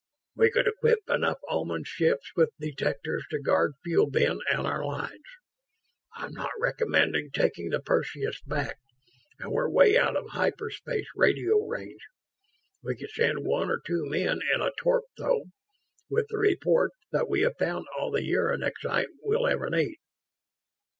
We could equip enough Oman ships with detectors to guard Fuel Bin and our lines. I'm not recommending taking the Perseus back, and we're 'way out of hyper space radio range. We could send one or two men in a torp, though, with the report that we have found all the uranexite we'll ever need."